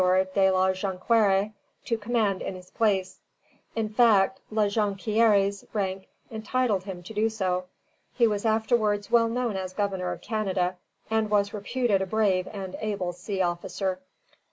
de la Jonquière to command in his place. In fact, La Jonquière's rank entitled him to do so. He was afterwards well known as governor of Canada, and was reputed a brave and able sea officer.